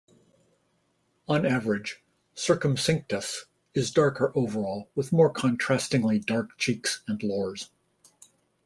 On average, "circumcinctus" is darker overall with more contrastingly dark cheeks and lores.